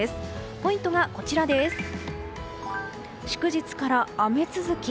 ポイントは、祝日から雨続き。